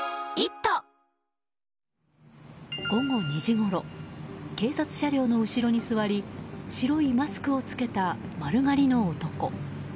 午後２時ごろ警察車両の後ろに座り白いマスクを着けた丸刈りの男。